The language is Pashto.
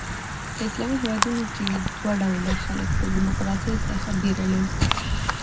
په اسلامي هیوادونو کښي دوه ډوله خلک د ډیموکراسۍ څخه بېره لري.